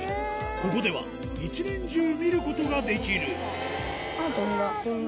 ここでは一年中見ることができる飛んだ。